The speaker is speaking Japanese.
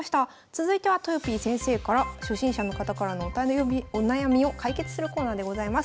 続いてはとよぴー先生から初心者の方からのお悩みを解決するコーナーでございます。